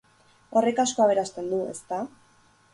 Horrek asko aberasten du, ezta?